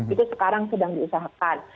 itu sekarang sedang diusahakan